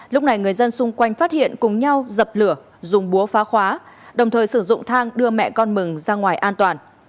lúc này người dân xung quanh phát hiện cùng nhau dập lửa dùng búa phá khóa đồng thời sử dụng thang đưa mẹ con mừng ra ngoài an toàn